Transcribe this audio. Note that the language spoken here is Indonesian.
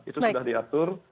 itu sudah diatur